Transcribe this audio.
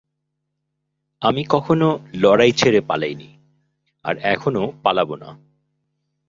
আমি কখনো লড়াই ছেড়ে পালাইনি, আর এখনো পালাবো না।